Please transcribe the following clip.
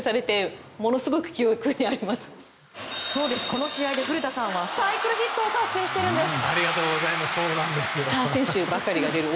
この試合で古田さんは何とサイクルヒットを達成しているんです。